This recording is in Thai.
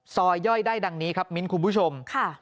ย่อยได้ดังนี้ครับมิ้นคุณผู้ชม